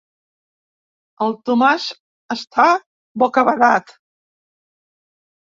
El Tomàs està bocabadat.